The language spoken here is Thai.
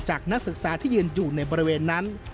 นักศึกษาที่ยืนอยู่ในบริเวณนั้น